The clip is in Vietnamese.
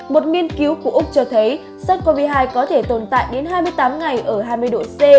một nghiên cứu của úc cho thấy sars cov hai có thể tồn tại đến hai mươi tám ngày ở hai mươi độ c